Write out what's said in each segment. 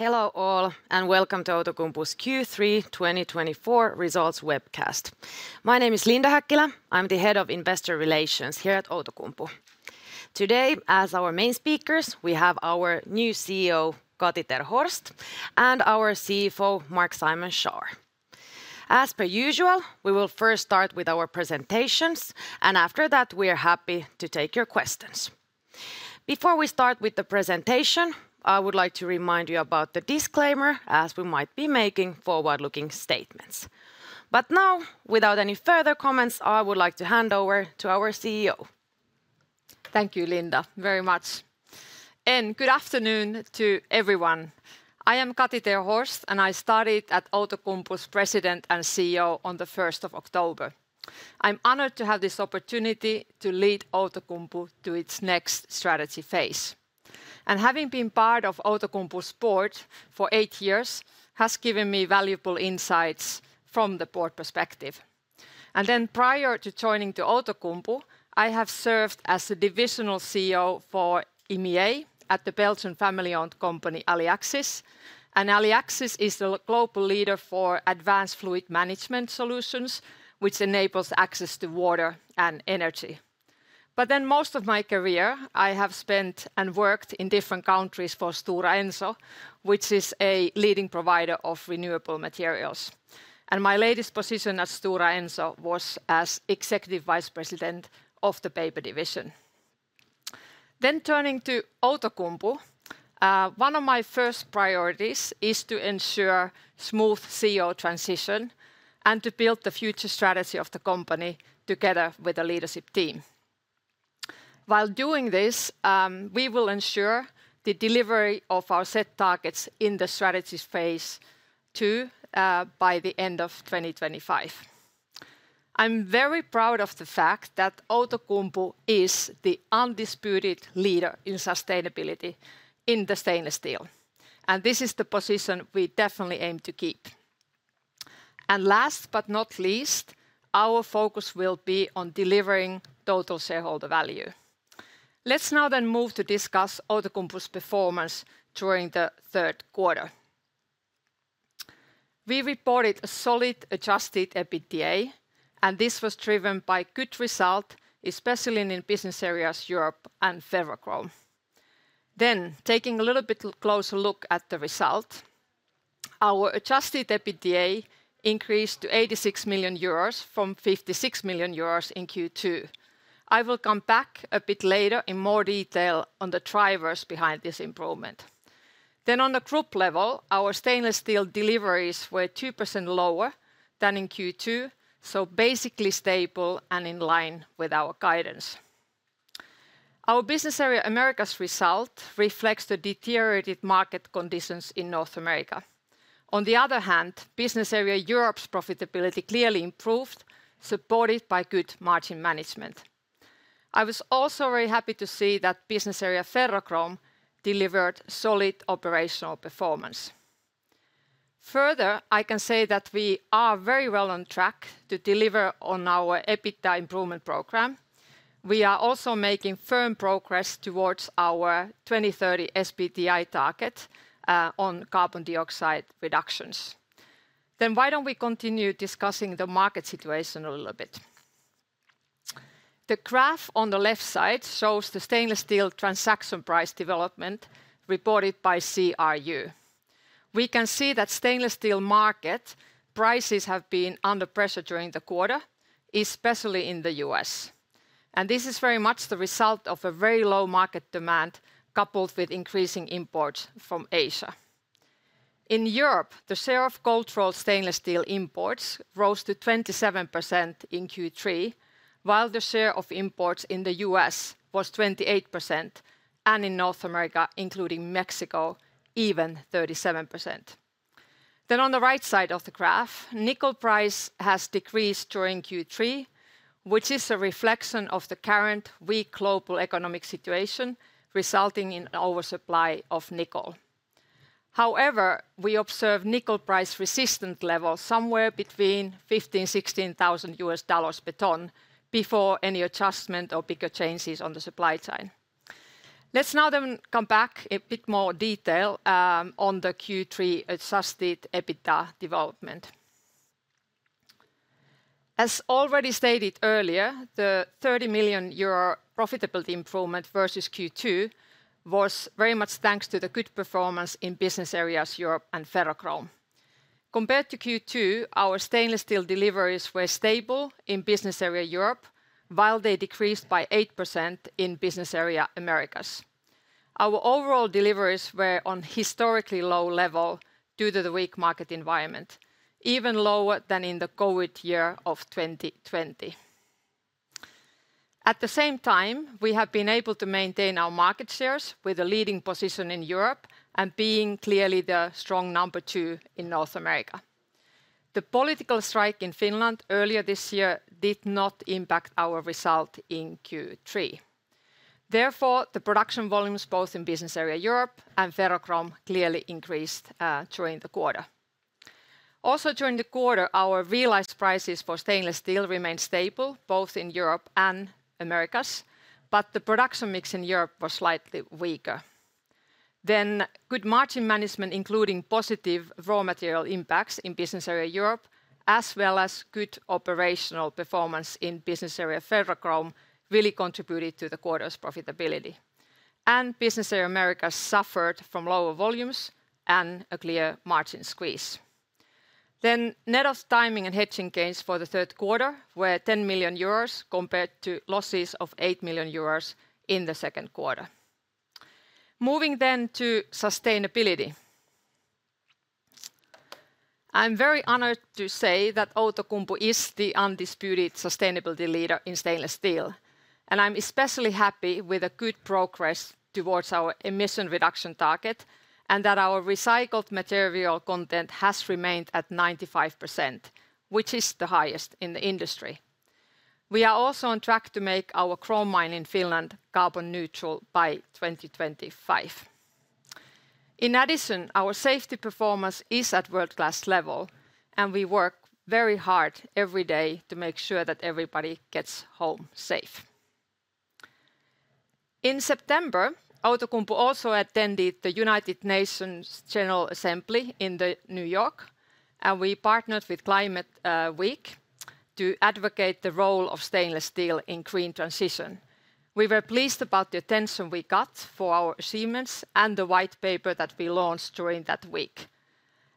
Hello all, and welcome to Outokumpu's Q3 2024 results webcast. My name is Linda Häkkilä. I'm the Head of Investor Relations here at Outokumpu. Today, as our main speakers, we have our new CEO, Kati ter Horst, and our CFO, Marc-Simon Schaar. As per usual, we will first start with our presentations, and after that, we are happy to take your questions. Before we start with the presentation, I would like to remind you about the disclaimer, as we might be making forward-looking statements. But now, without any further comments, I would like to hand over to our CEO. Thank you, Linda, very much. And good afternoon to everyone. I am Kati ter Horst, and I started at Outokumpu's President and CEO on the 1st of October. I'm honored to have this opportunity to lead Outokumpu to its next strategy phase. And having been part of Outokumpu's board for eight years has given me valuable insights from the board perspective. And then prior to joining Outokumpu, I have served as a divisional CEO for EMEA at the Belgian family-owned company Aliaxis. And Aliaxis is the global leader for advanced fluid management solutions, which enables access to water and energy. But then most of my career, I have spent and worked in different countries for Stora Enso, which is a leading provider of renewable materials. And my latest position at Stora Enso was as Executive Vice President of the Paper Division. Then turning to Outokumpu, one of my first priorities is to ensure a smooth CEO transition and to build the future strategy of the company together with the leadership team. While doing this, we will ensure the delivery of our set targets in Strategy Phase Two by the end of 2025. I'm very proud of the fact that Outokumpu is the undisputed leader in sustainability in the stainless steel, and this is the position we definitely aim to keep, and last but not least, our focus will be on delivering total shareholder value. Let's now then move to discuss Outokumpu's performance during the third quarter. We reported a solid Adjusted EBITDA, and this was driven by good results, especially in business areas Europe and ferrochrome. Then, taking a little bit closer look at the result, our Adjusted EBITDA increased to 86 million euros from 56 million euros in Q2. I will come back a bit later in more detail on the drivers behind this improvement. Then on the group level, our stainless steel deliveries were 2% lower than in Q2, so basically stable and in line with our guidance. Our business area Americas' result reflects the deteriorated market conditions in North America. On the other hand, business area Europe's profitability clearly improved, supported by good margin management. I was also very happy to see that business area Ferrochrome delivered solid operational performance. Further, I can say that we are very well on track to deliver on our EBITDA improvement program. We are also making firm progress towards our 2030 SBTi target on carbon dioxide reductions. Why don't we continue discussing the market situation a little bit? The graph on the left side shows the stainless steel transaction price development reported by CRU. We can see that stainless steel market prices have been under pressure during the quarter, especially in the U.S. And this is very much the result of a very low market demand coupled with increasing imports from Asia. In Europe, the share of extra-EU stainless steel imports rose to 27% in Q3, while the share of imports in the U.S. was 28%, and in North America, including Mexico, even 37%. Then on the right side of the graph, nickel price has decreased during Q3, which is a reflection of the current weak global economic situation, resulting in an oversupply of nickel. However, we observe nickel price resistance levels somewhere between $15,000-$16,000 per ton before any adjustment or bigger changes on the supply chain. Let's now then come back a bit more detail on the Q3 Adjusted EBITDA development. As already stated earlier, the 30 million euro profitability improvement versus Q2 was very much thanks to the good performance in business areas Europe and ferrochrome. Compared to Q2, our stainless steel deliveries were stable in business area Europe, while they decreased by 8% in business area Americas. Our overall deliveries were on a historically low level due to the weak market environment, even lower than in the COVID year of 2020. At the same time, we have been able to maintain our market shares with a leading position in Europe and being clearly the strong number two in North America. The political strike in Finland earlier this year did not impact our result in Q3. Therefore, the production volumes both in business area Europe and ferrochrome clearly increased during the quarter. Also during the quarter, our realized prices for stainless steel remained stable both in Europe and Americas, but the production mix in Europe was slightly weaker. Then good margin management, including positive raw material impacts in business area Europe, as well as good operational performance in business area Ferrochrome, really contributed to the quarter's profitability. And business area Americas suffered from lower volumes and a clear margin squeeze. Then net of timing and hedging gains for the Q3 were 10 million euros compared to losses of 8 million euros in the Q2. Moving then to sustainability. I'm very honored to say that Outokumpu is the undisputed sustainability leader in stainless steel. And I'm especially happy with the good progress towards our emission reduction target and that our recycled material content has remained at 95%, which is the highest in the industry. We are also on track to make our chrome mine in Finland carbon neutral by 2025. In addition, our safety performance is at world-class level, and we work very hard every day to make sure that everybody gets home safe. In September, Outokumpu also attended the United Nations General Assembly in New York, and we partnered with Climate Week to advocate the role of stainless steel in green transition. We were pleased about the attention we got for our achievements and the white paper that we launched during that week.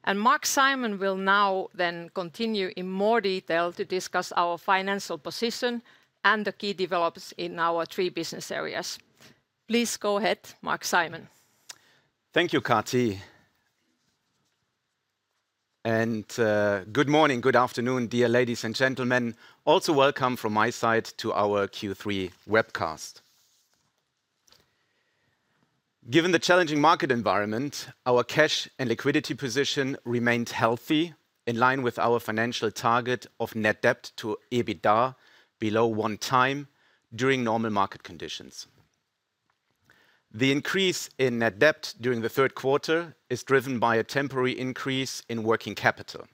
And Marc-Simon will now then continue in more detail to discuss our financial position and the key developments in our three business areas. Please go ahead, Marc-Simon. Thank you, Kati. And good morning, good afternoon, dear ladies and gentlemen. Also welcome from my side to our Q3 webcast. Given the challenging market environment, our cash and liquidity position remained healthy in line with our financial target of net debt to EBITDA below one time during normal market conditions. The increase in net debt during the Q3 is driven by a temporary increase in working capital.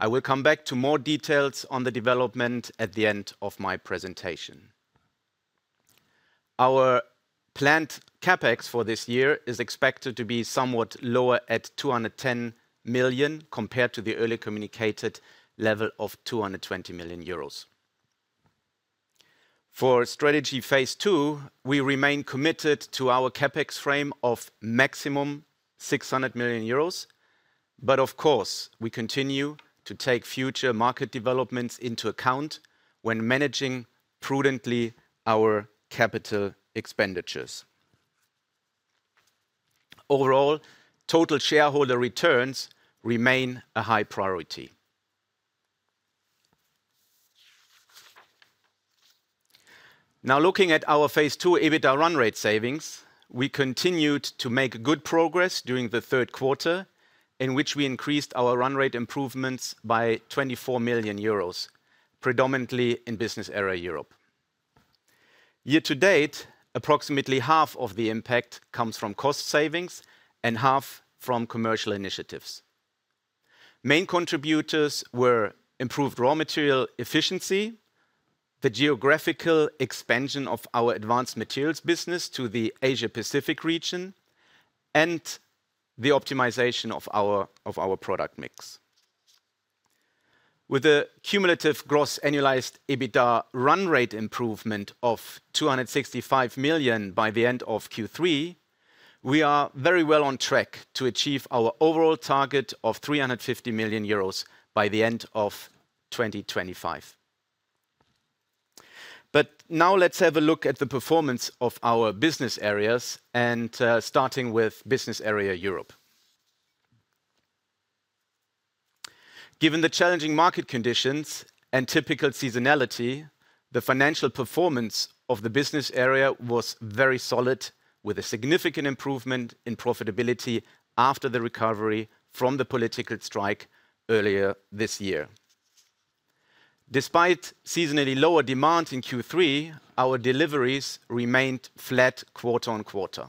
I will come back to more details on the development at the end of my presentation. Our planned CapEx for this year is expected to be somewhat lower at 210 million compared to the earlier communicated level of 220 million euros. For strategy phase two, we remain committed to our CapEx frame of maximum 600 million euros. But of course, we continue to take future market developments into account when managing prudently our capital expenditures. Overall, total shareholder returns remain a high priority. Now looking at our phase two EBITDA run rate savings, we continued to make good progress during the third quarter, in which we increased our run rate improvements by 24 million euros, predominantly in business area Europe. Year to date, approximately half of the impact comes from cost savings and half from commercial initiatives. Main contributors were improved raw material efficiency, the geographical expansion of our advanced materials business to the Asia-Pacific region, and the optimization of our product mix. With the cumulative gross annualized EBITDA run rate improvement of 265 million EUR by the end of Q3, we are very well on track to achieve our overall target of 350 million euros by the end of 2025. But now let's have a look at the performance of our business areas, starting with business area Europe. Given the challenging market conditions and typical seasonality, the financial performance of the business area was very solid, with a significant improvement in profitability after the recovery from the political strike earlier this year. Despite seasonally lower demand in Q3, our deliveries remained flat quarter-on-quarter.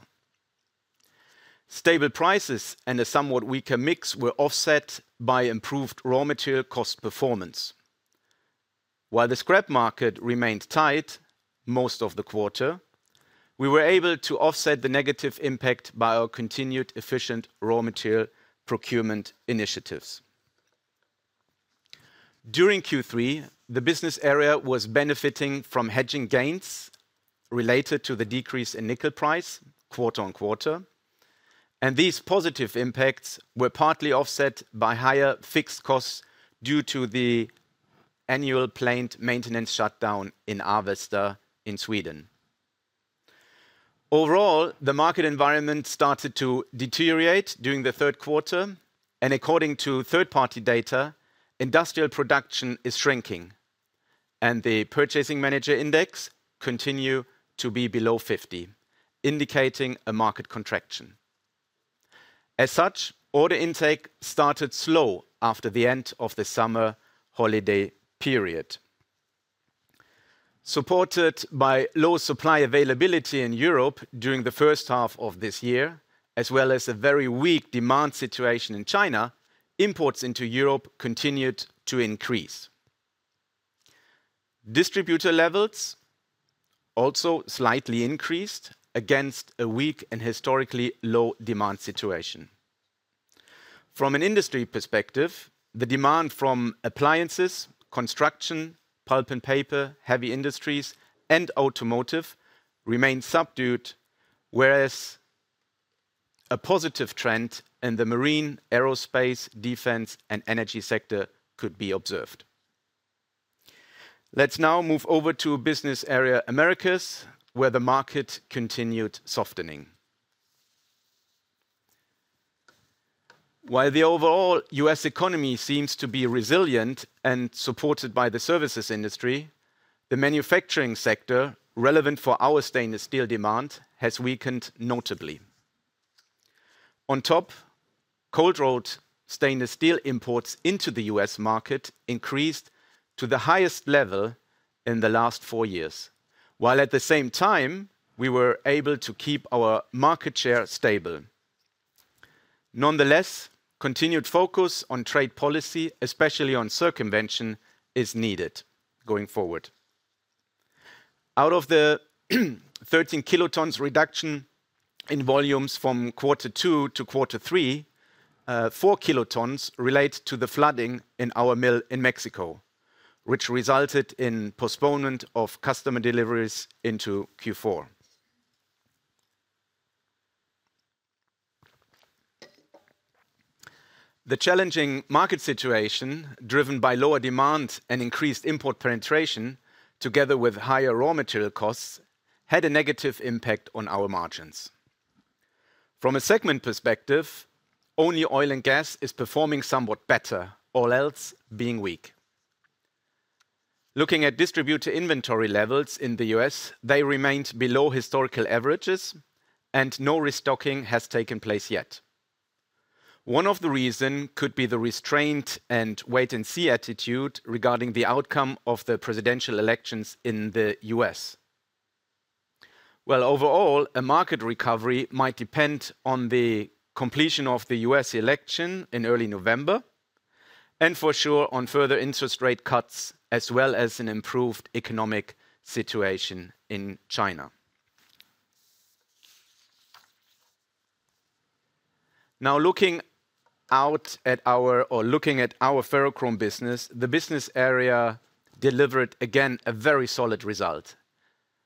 Stable prices and a somewhat weaker mix were offset by improved raw material cost performance. While the scrap market remained tight most of the quarter, we were able to offset the negative impact by our continued efficient raw material procurement initiatives. During Q3, the business area was benefiting from hedging gains related to the decrease in nickel price quarter-on-quarter, and these positive impacts were partly offset by higher fixed costs due to the annual planned maintenance shutdown in Avesta in Sweden. Overall, the market environment started to deteriorate during the third quarter. According to third-party data, industrial production is shrinking, and the Purchasing Managers' Index continues to be below 50, indicating a market contraction. As such, order intake started slow after the end of the summer holiday period, supported by low supply availability in Europe during the first half of this year, as well as a very weak demand situation in China. Imports into Europe continued to increase. Distributor levels also slightly increased against a weak and historically low demand situation. From an industry perspective, the demand from appliances, construction, pulp and paper, heavy industries, and automotive remained subdued, whereas a positive trend in the marine, aerospace, defense, and energy sector could be observed. Let's now move over to business area Americas, where the market continued softening. While the overall U.S. economy seems to be resilient and supported by the services industry, the manufacturing sector relevant for our stainless steel demand has weakened notably. On top, cold-rolled stainless steel imports into the U.S. market increased to the highest level in the last four years, while at the same time, we were able to keep our market share stable. Nonetheless, continued focus on trade policy, especially on circumvention, is needed going forward. Out of the 13 kilotons reduction in volumes from Q2 to Q3, four kilotons related to the flooding in our mill in Mexico, which resulted in postponement of customer deliveries into Q4. The challenging market situation, driven by lower demand and increased import penetration, together with higher raw material costs, had a negative impact on our margins. From a segment perspective, only oil and gas is performing somewhat better, all else being weak. Looking at distributor inventory levels in the U.S., they remained below historical averages, and no restocking has taken place yet. One of the reasons could be the restrained and wait-and-see attitude regarding the outcome of the presidential elections in the U.S. Overall, a market recovery might depend on the completion of the U.S. election in early November and for sure on further interest rate cuts, as well as an improved economic situation in China. Now looking at our ferrochrome business, the business area delivered again a very solid result.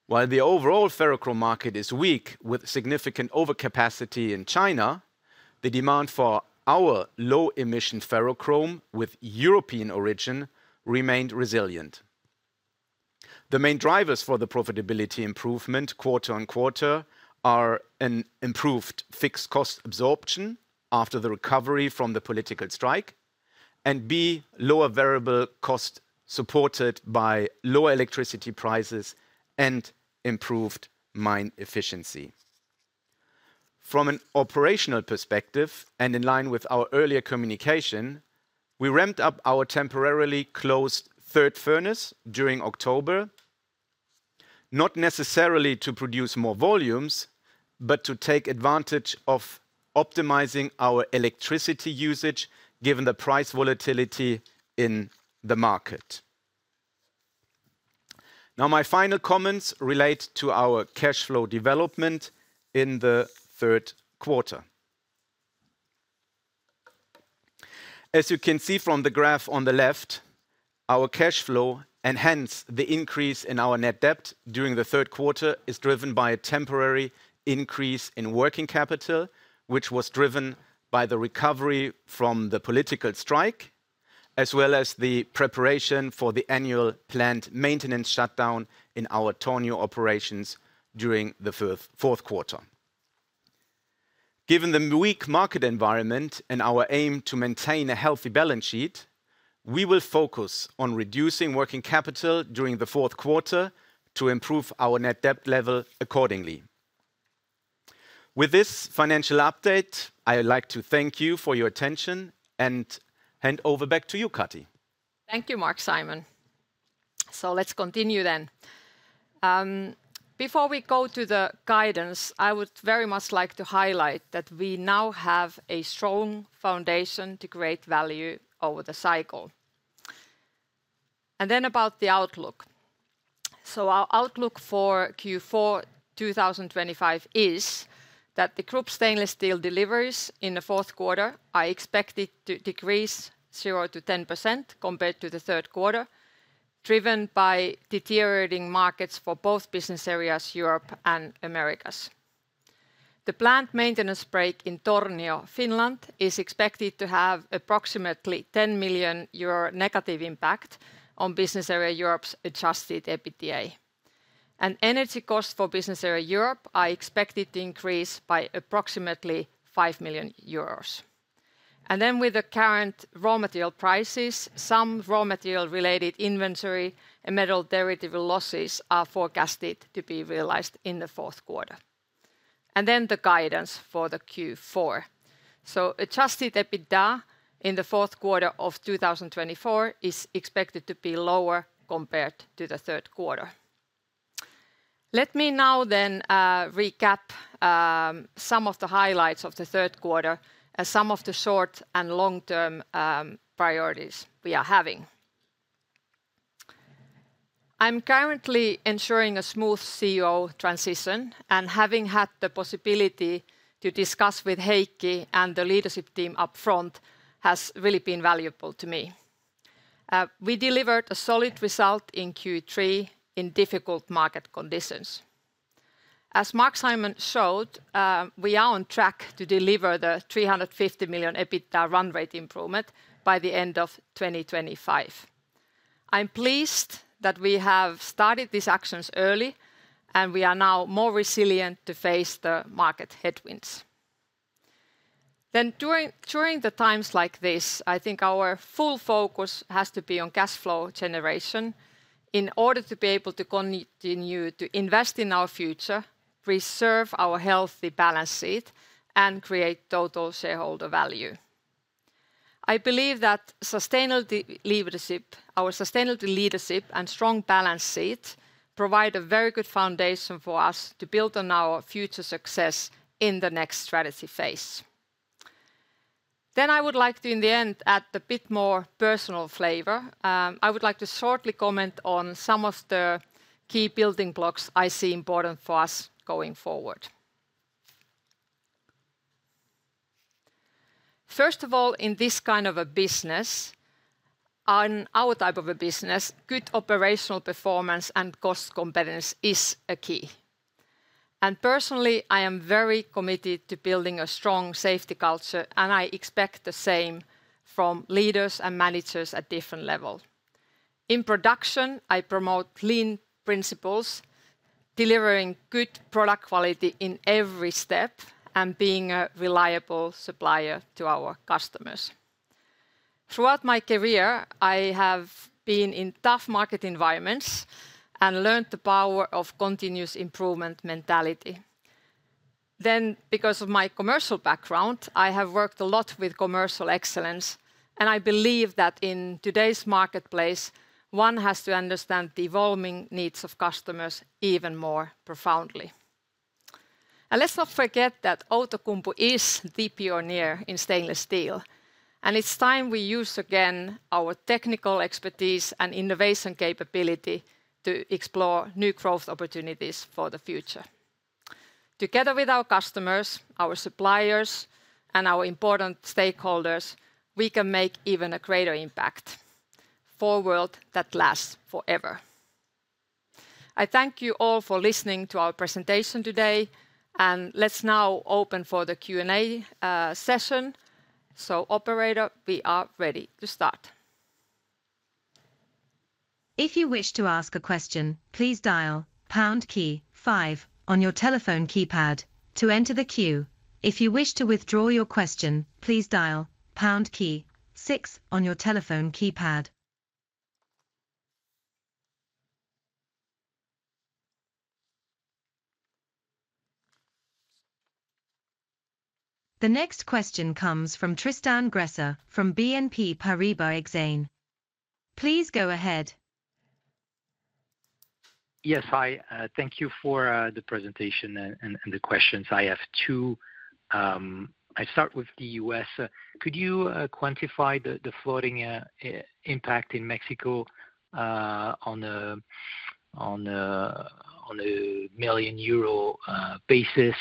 While the overall ferrochrome market is weak, with significant overcapacity in China, the demand for our low-emission ferrochrome with European origin remained resilient. The main drivers for the profitability improvement quarter-on-quarter are an improved fixed cost absorption after the recovery from the political strike and B, lower variable costs supported by lower electricity prices and improved mine efficiency. From an operational perspective and in line with our earlier communication, we ramped up our temporarily closed third furnace during October, not necessarily to produce more volumes, but to take advantage of optimizing our electricity usage given the price volatility in the market. Now my final comments relate to our cash flow development in the third quarter. As you can see from the graph on the left, our cash flow and hence the increase in our net debt during the third quarter is driven by a temporary increase in working capital, which was driven by the recovery from the political strike, as well as the preparation for the annual planned maintenance shutdown in our Tornio operations during the fourth quarter. Given the weak market environment and our aim to maintain a healthy balance sheet, we will focus on reducing working capital during the fourth quarter to improve our net debt level accordingly. With this financial update, I would like to thank you for your attention and hand over back to you, Kati. Thank you, Marc-Simon. So let's continue then. Before we go to the guidance, I would very much like to highlight that we now have a strong foundation to create value over the cycle. And then about the outlook. So our outlook for Q4 2025 is that the group stainless steel deliveries in the fourth quarter are expected to decrease 0-10% compared to the third quarter, driven by deteriorating markets for both business areas, Europe and Americas. The planned maintenance break in Tornio, Finland, is expected to have approximately 10 million euro negative impact on business area Europe's Adjusted EBITDA. And energy costs for business area Europe are expected to increase by approximately 5 million euros. And then with the current raw material prices, some raw material-related inventory and metal derivative losses are forecasted to be realized in the fourth quarter. And then the guidance for the Q4. Adjusted EBITDA in the fourth quarter of 2024 is expected to be lower compared to the third quarter. Let me now then recap some of the highlights of the third quarter and some of the short and long-term priorities we are having. I'm currently ensuring a smooth CEO transition, and having had the possibility to discuss with Heikki and the leadership team upfront has really been valuable to me. We delivered a solid result in Q3 in difficult market conditions. As Marc-Simon showed, we are on track to deliver the 350 million EBITDA run rate improvement by the end of 2025. I'm pleased that we have started these actions early, and we are now more resilient to face the market headwinds. Then during the times like this, I think our full focus has to be on cash flow generation in order to be able to continue to invest in our future, preserve our healthy balance sheet, and create total shareholder value. I believe that our sustainable leadership and strong balance sheet provide a very good foundation for us to build on our future success in the next strategy phase. Then I would like to, in the end, add a bit more personal flavor. I would like to shortly comment on some of the key building blocks I see important for us going forward. First of all, in this kind of a business, in our type of a business, good operational performance and cost competence is a key. And personally, I am very committed to building a strong safety culture, and I expect the same from leaders and managers at different levels. In production, I promote lean principles, delivering good product quality in every step and being a reliable supplier to our customers. Throughout my career, I have been in tough market environments and learned the power of continuous improvement mentality. Then, because of my commercial background, I have worked a lot with commercial excellence, and I believe that in today's marketplace, one has to understand the evolving needs of customers even more profoundly. And let's not forget that Outokumpu is the pioneer in stainless steel, and it's time we use again our technical expertise and innovation capability to explore new growth opportunities for the future. Together with our customers, our suppliers, and our important stakeholders, we can make even a greater impact for a world that lasts forever. I thank you all for listening to our presentation today, and let's now open for the Q&A session. So, operator, we are ready to start. If you wish to ask a question, please dial #5 on your telephone keypad to enter the queue. If you wish to withdraw your question, please dial #6 on your telephone keypad. The next question comes from Tristan Gresser from BNP Paribas Exane. Please go ahead. Yes, hi. Thank you for the presentation and the questions. I have two. I start with the U.S. Could you quantify the flooding impact in Mexico on a million euro basis?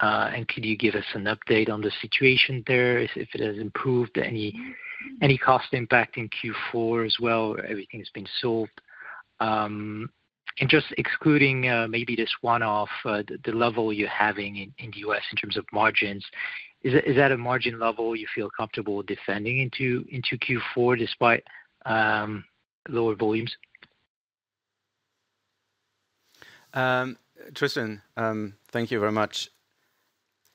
And could you give us an update on the situation there, if it has improved, any cost impact in Q4 as well, or everything has been sold? And just excluding maybe this one-off, the level you're having in the U.S. in terms of margins, is that a margin level you feel comfortable defending into Q4 despite lower volumes? Tristan, thank you very much.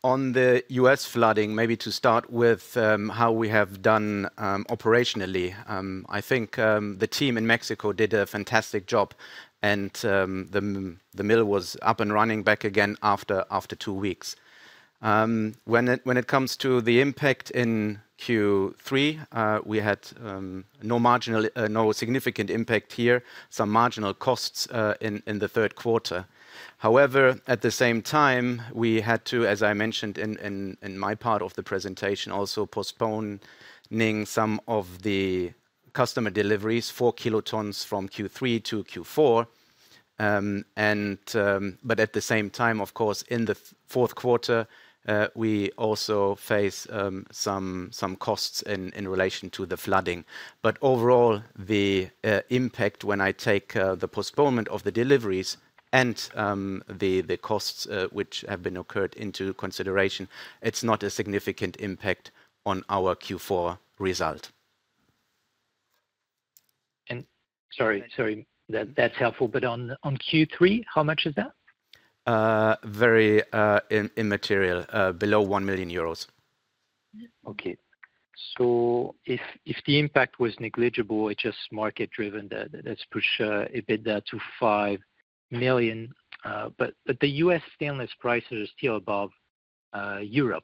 On the U.S. flooding, maybe to start with how we have done operationally, I think the team in Mexico did a fantastic job, and the mill was up and running back again after two weeks. When it comes to the impact in Q3, we had no significant impact here, some marginal costs in the third quarter. However, at the same time, we had to, as I mentioned in my part of the presentation, also postpone some of the customer deliveries for kilotons from Q3 to Q4. But at the same time, of course, in the fourth quarter, we also faced some costs in relation to the flooding. But overall, the impact, when I take the postponement of the deliveries and the costs which have been incurred into consideration, it's not a significant impact on our Q4 result. Sorry, that's helpful. But on Q3, how much is that? Very immaterial, below 1 million euros. Okay. So if the impact was negligible, it's just market-driven. Let's push EBITDA to 5 million. But the U.S. stainless prices are still above Europe.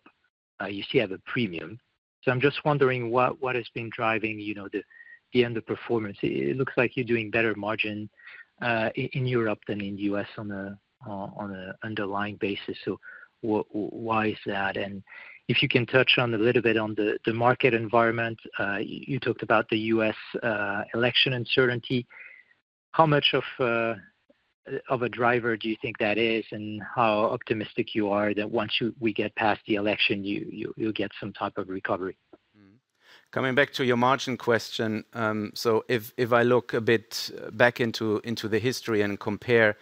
You see, you have a premium. So I'm just wondering what has been driving the end-user performance. It looks like you're doing better margins in Europe than in the U.S. on an underlying basis. So why is that? And if you can touch on a little bit on the market environment, you talked about the U.S. election uncertainty. How much of a driver do you think that is, and how optimistic you are that once we get past the election, you'll get some type of recovery? Coming back to your margin question, so if I look a bit back into the history and compare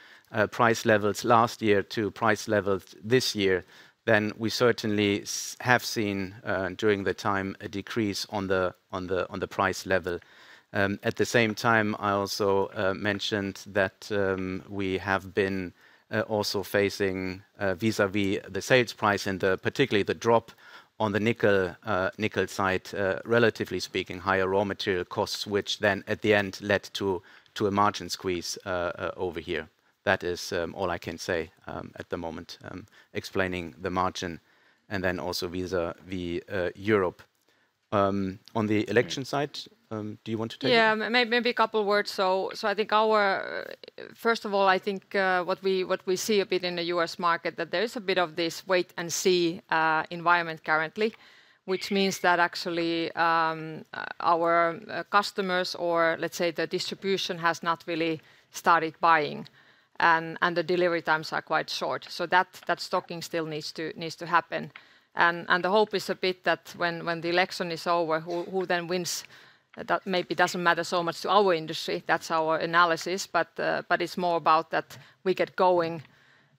price levels last year to price levels this year, then we certainly have seen during the time a decrease on the price level. At the same time, I also mentioned that we have been also facing vis-à-vis the sales price and particularly the drop on the nickel side, relatively speaking, higher raw material costs, which then at the end led to a margin squeeze over here. That is all I can say at the moment, explaining the margin and then also vis-à-vis Europe. On the election side, do you want to take it? Yeah, maybe a couple of words. So I think our, first of all, I think what we see a bit in the U.S. market, that there is a bit of this wait-and-see environment currently, which means that actually our customers or let's say the distribution has not really started buying and the delivery times are quite short. So that stocking still needs to happen, and the hope is a bit that when the election is over, who then wins, that maybe doesn't matter so much to our industry. That's our analysis, but it's more about that we get going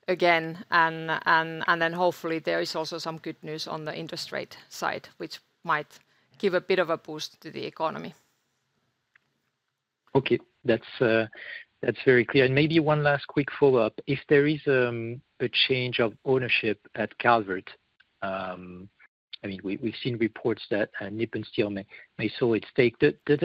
again and then hopefully there is also some good news on the interest rate side, which might give a bit of a boost to the economy. Okay, that's very clear. And maybe one last quick follow-up. If there is a change of ownership at Calvert, I mean, we've seen reports that Nippon Steel may sell its stake. Does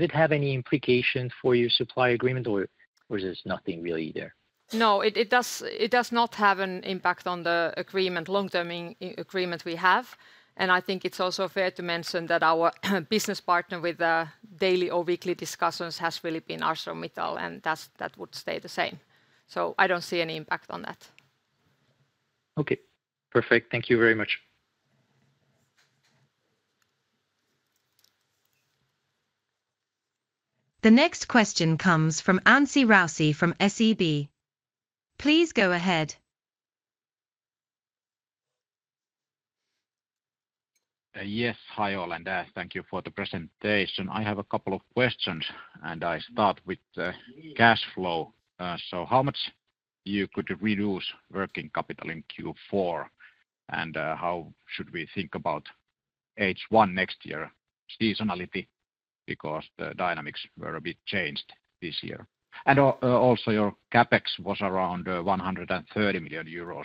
it have any implications for your supply agreement or is there nothing really there? No, it does not have an impact on the agreement, long-term agreement we have, and I think it's also fair to mention that our business partner with the daily or weekly discussions has really been ArcelorMittal and that would stay the same, so I don't see any impact on that. Okay, perfect. Thank you very much. The next question comes from Anssi Raussi from SEB. Please go ahead. Yes, hi Olentäh, thank you for the presentation. I have a couple of questions and I start with cash flow. So how much you could reduce working capital in Q4 and how should we think about H1 next year, seasonality, because the dynamics were a bit changed this year? And also your CapEx was around 130 million euros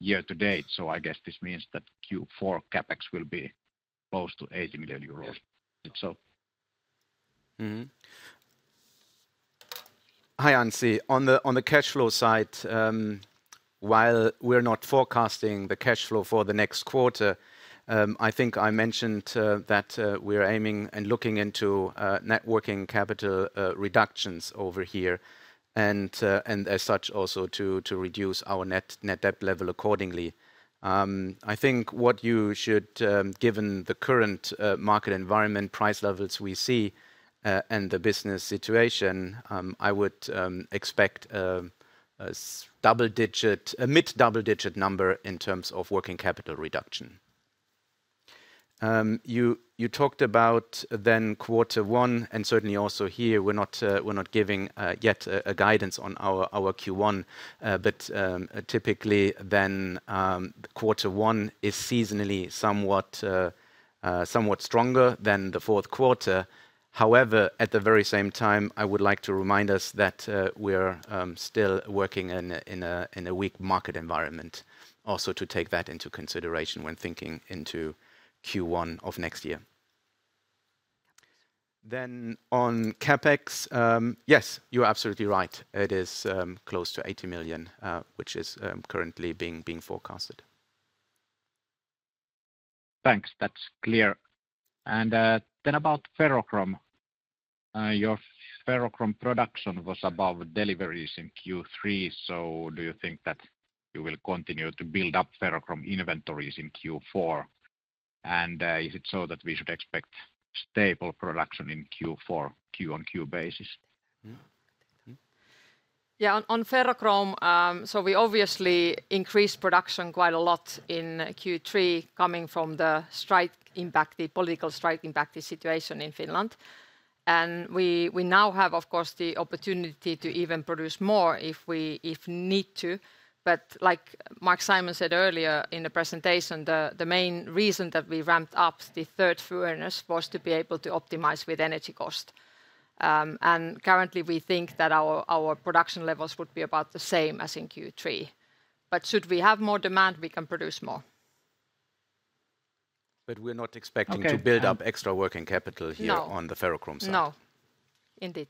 year to date. So I guess this means that Q4 CapEx will be close to 80 million euros. Hi Anssi. On the cash flow side, while we're not forecasting the cash flow for the next quarter, I think I mentioned that we're aiming and looking into working capital reductions over here and as such also to reduce our net debt level accordingly. I think what you should, given the current market environment, price levels we see and the business situation, I would expect a mid-double-digit number in terms of working capital reduction. You talked about then quarter one and certainly also here, we're not giving yet a guidance on our Q1, but typically then quarter one is seasonally somewhat stronger than the fourth quarter. However, at the very same time, I would like to remind us that we're still working in a weak market environment also to take that into consideration when thinking into Q1 of next year. Then on CapEx Yes, you're absolutely right. It is close to 80 million, which is currently being forecasted. Thanks, that's clear. And then about ferrochrome, your ferrochrome production was above deliveries in Q3, so do you think that you will continue to build up ferrochrome inventories in Q4? And is it so that we should expect stable production in Q4, Q on Q basis? Yeah, on Ferrochrome, so we obviously increased production quite a lot in Q3 coming from the strike impact, the political strike impact situation in Finland. We now have, of course, the opportunity to even produce more if we need to. But like Marc-Simon said earlier in the presentation, the main reason that we ramped up the third furnace was to be able to optimize with energy cost. Currently, we think that our production levels would be about the same as in Q3. But should we have more demand, we can produce more. But we're not expecting to build up extra working capital here on the ferrochrome side. No, indeed.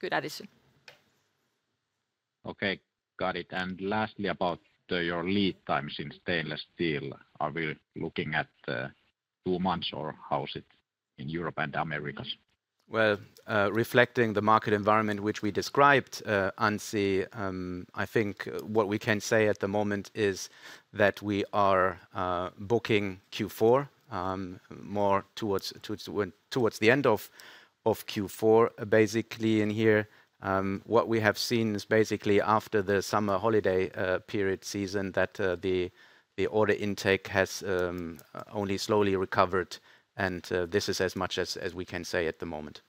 Good addition. Okay, got it. And lastly, about your lead times in stainless steel, are we looking at two months or how is it in Europe and the Americas? Reflecting the market environment which we described, Anssi, I think what we can say at the moment is that we are booking Q4 more towards the end of Q4, basically in here. What we have seen is basically after the summer holiday period season that the order intake has only slowly recovered, and this is as much as we can say at the moment.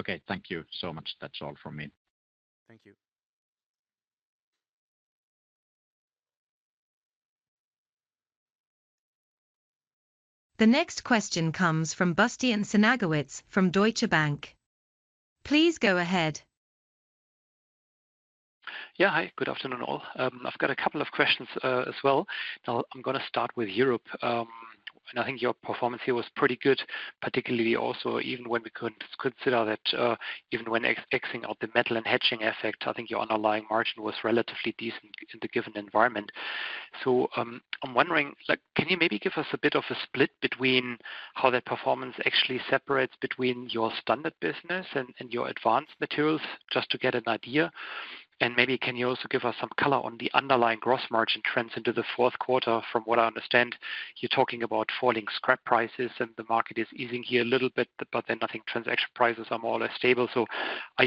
Okay, thank you so much. That's all from me. Thank you. The next question comes from Bastian Synagowitz from Deutsche Bank. Please go ahead. Yeah, hi, good afternoon all. I've got a couple of questions as well. I'm going to start with Europe. And I think your performance here was pretty good, particularly also even when we consider that even when taking out the metal and hedging effect, I think your underlying margin was relatively decent in the given environment. So I'm wondering, can you maybe give us a bit of a split between how that performance actually separates between your standard business and your advanced materials, just to get an idea? And maybe can you also give us some color on the underlying gross margin trends into the fourth quarter? From what I understand, you're talking about falling scrap prices and the market is easing here a little bit, but then nothing, transaction prices are more or less stable. So are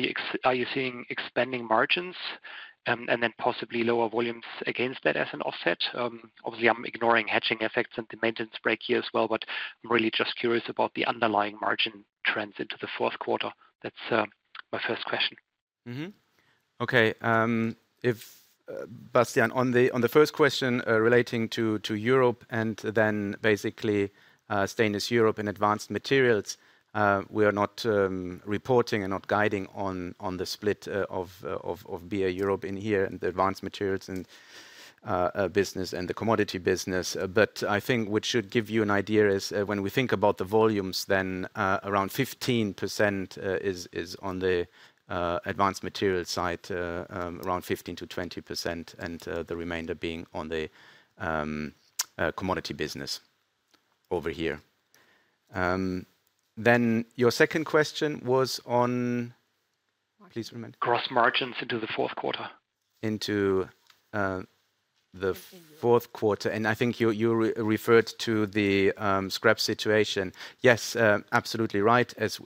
you seeing expanding margins and then possibly lower volumes against that as an offset? Obviously, I'm ignoring hedging effects and the maintenance break here as well, but I'm really just curious about the underlying margin trends into the fourth quarter. That's my first question. Okay. Bastian, on the first question relating to Europe and then basically stainless Europe and advanced materials, we are not reporting and not guiding on the split of BA Europe in here and the advanced materials and business and the commodity business. But I think what should give you an idea is when we think about the volumes, then around 15% is on the advanced materials side, around 15%-20%, and the remainder being on the commodity business over here. Then your second question was on, please remind. Gross margins into the fourth quarter? Into the fourth quarter, I think you referred to the scrap situation. Yes, absolutely right. As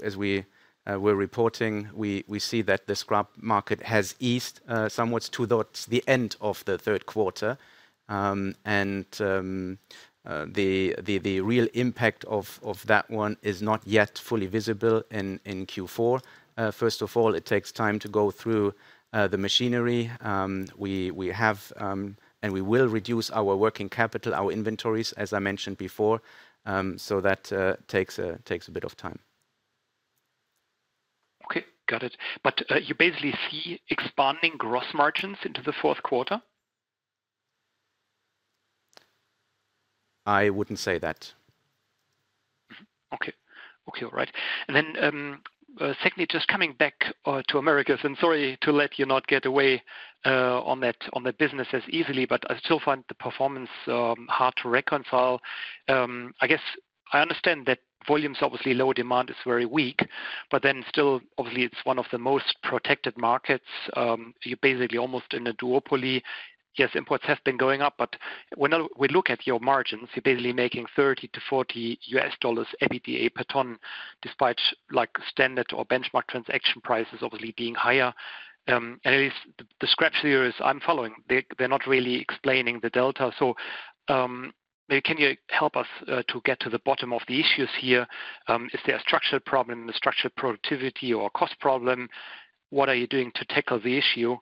we were reporting, we see that the scrap market has eased somewhat towards the end of the third quarter. The real impact of that one is not yet fully visible in Q4. First of all, it takes time to go through the machinery. We have and we will reduce our working capital, our inventories, as I mentioned before, so that takes a bit of time. Okay, got it. But you basically see expanding gross margins into the fourth quarter? I wouldn't say that. Okay, all right. And then secondly, just coming back to Americas, and sorry to let you not get away on that business as easily, but I still find the performance hard to reconcile. I guess I understand that volumes, obviously low demand is very weak, but then still, obviously, it's one of the most protected markets. You're basically almost in a duopoly. Yes, imports have been going up, but when we look at your margins, you're basically making $30-$40 EBITDA per ton, despite standard or benchmark transaction prices obviously being higher. And at least the scrap series, I'm following, they're not really explaining the delta. So can you help us to get to the bottom of the issues here? Is there a structural problem, a structural productivity or cost problem? What are you doing to tackle the issue?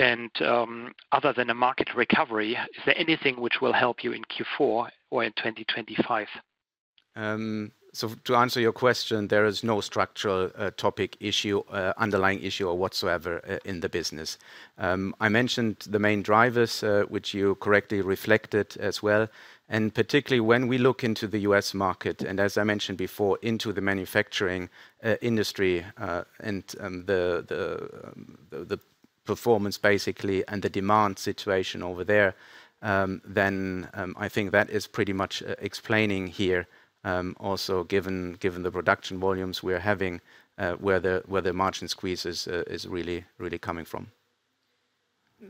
Other than a market recovery, is there anything which will help you in Q4 or in 2025? So to answer your question, there is no structural topic issue, underlying issue or whatsoever in the business. I mentioned the main drivers, which you correctly reflected as well. And particularly when we look into the U.S. market, and as I mentioned before, into the manufacturing industry and the performance basically and the demand situation over there, then I think that is pretty much explaining here also given the production volumes we're having, where the margin squeeze is really coming from.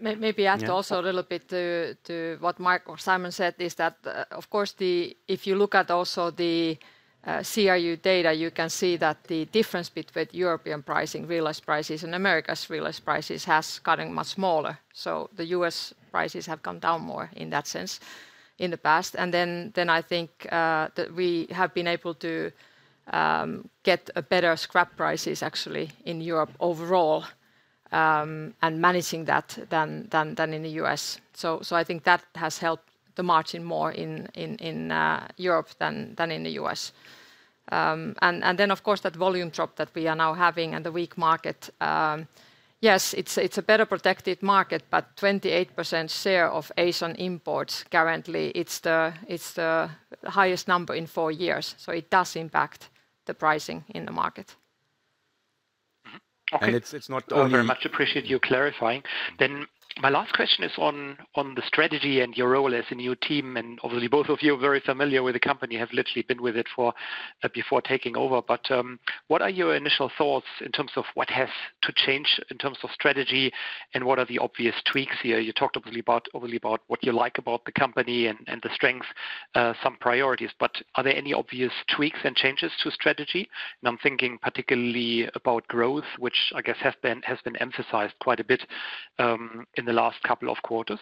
Maybe add also a little bit to what Marc-Simon said, is that, of course, if you look at also the CRU data, you can see that the difference between European pricing, real-life prices and America's real-life prices has gotten much smaller, so the U.S. prices have come down more in that sense in the past, and then I think that we have been able to get better scrap prices actually in Europe overall and managing that than in the U.S., so I think that has helped the margin more in Europe than in the U.S., and then, of course, that volume drop that we are now having and the weak market, yes, it's a better protected market, but 28% share of ASEAN imports currently, it's the highest number in four years, so it does impact the pricing in the market. And it's not only. Very much appreciate you clarifying. Then my last question is on the strategy and your role as a new team. And obviously, both of you are very familiar with the company, have literally been with it before taking over. But what are your initial thoughts in terms of what has to change in terms of strategy and what are the obvious tweaks here? You talked obviously about what you like about the company and the strengths, some priorities, but are there any obvious tweaks and changes to strategy? And I'm thinking particularly about growth, which I guess has been emphasized quite a bit in the last couple of quarters.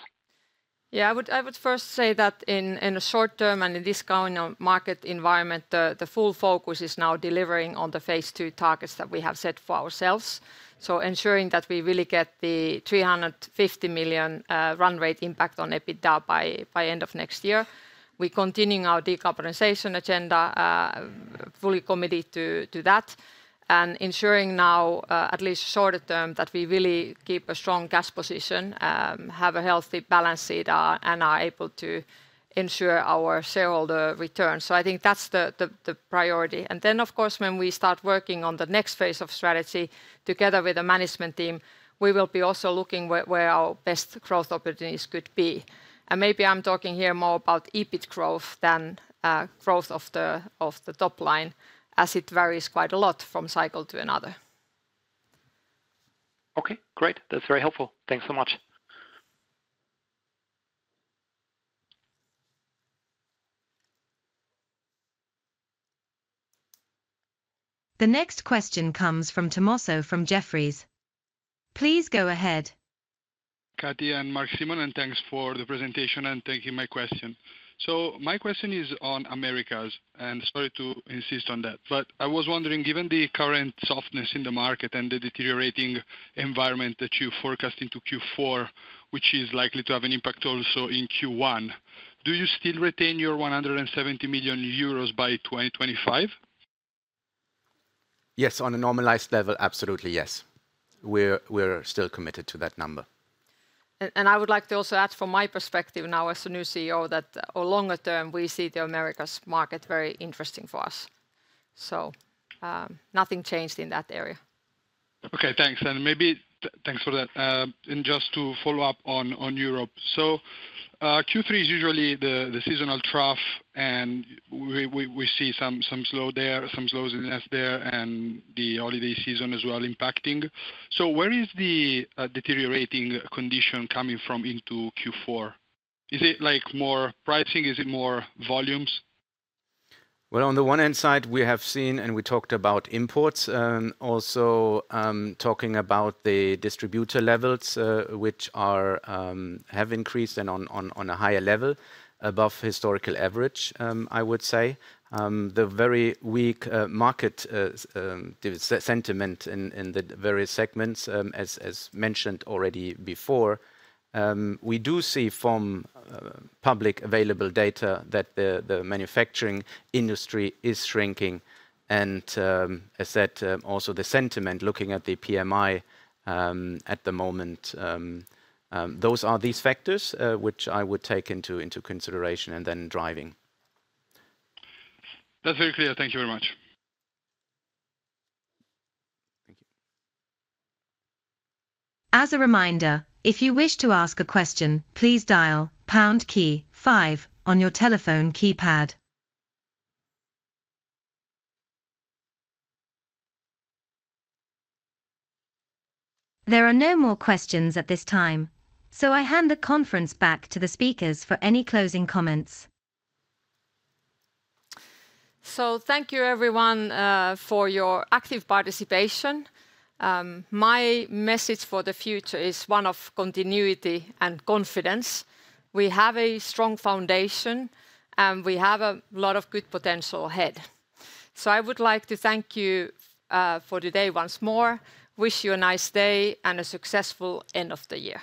Yeah, I would first say that in the short term and in this current market environment, the full focus is now delivering on the phase two targets that we have set for ourselves. So ensuring that we really get the 350 million run rate impact on EBITDA by end of next year. We're continuing our decarbonization agenda, fully committed to that, and ensuring now at least shorter term that we really keep a strong gas position, have a healthy balance sheet, and are able to ensure our shareholder return. So I think that's the priority. And then, of course, when we start working on the next phase of strategy together with the management team, we will be also looking where our best growth opportunities could be. Maybe I'm talking here more about EBIT growth than growth of the top line as it varies quite a lot from cycle to another. Okay, great. That's very helpful. Thanks so much. The next question comes from Tommaso from Jefferies. Please go ahead. Kati and Marc-Simon, and thanks for the presentation and taking my question. So my question is on Americas, and sorry to insist on that. But I was wondering, given the current softness in the market and the deteriorating environment that you forecast into Q4, which is likely to have an impact also in Q1, do you still retain your 170 million euros by 2025? Yes, on a normalized level, absolutely yes. We're still committed to that number. I would like to also add from my perspective now as a new CEO that longer term, we see the Americas market very interesting for us, so nothing changed in that area. Okay, thanks. And maybe thanks for that. And just to follow up on Europe. So Q3 is usually the seasonal trough, and we see some slow there, some slows in there and the holiday season as well impacting. So where is the deteriorating condition coming from into Q4? Is it more pricing? Is it more volumes? On the one hand side, we have seen and we talked about imports, also talking about the distributor levels, which have increased and on a higher level above historical average, I would say. The very weak market sentiment in the various segments, as mentioned already before, we do see from publicly available data that the manufacturing industry is shrinking. As said, also the sentiment looking at the PMI at the moment, those are these factors which I would take into consideration and then driving. That's very clear. Thank you very much. As a reminder, if you wish to ask a question, please dial pound key five on your telephone keypad. There are no more questions at this time, so I hand the conference back to the speakers for any closing comments. So thank you everyone for your active participation. My message for the future is one of continuity and confidence. We have a strong foundation, and we have a lot of good potential ahead. So I would like to thank you for today once more. Wish you a nice day and a successful end of the year.